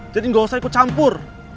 jadi gak usah ikut campur